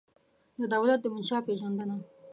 د دولت د منشا پېژندنه